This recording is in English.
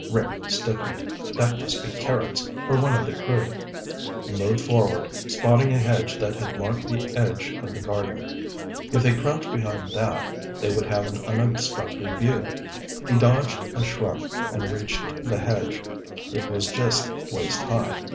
Rick stiffened. That must be Carrots, or one of the crew. He moved forward, spotting a hedge that had marked the edge of the garden. If they crouched behind that, they would have an unobstructed view. He dodged a shrub and reached the hedge; it was just waist high.